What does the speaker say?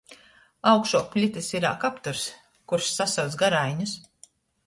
Augšuok plitys irā kapturs, kurs sasyuc garaiņus.